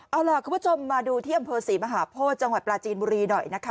เอาล่ะคุณผู้ชมมาดูที่อำเภอศรีมหาโพธิจังหวัดปลาจีนบุรีหน่อยนะคะ